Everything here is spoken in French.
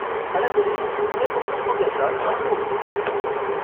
A la volée, une conversation s'engagea, du balcon au trottoir.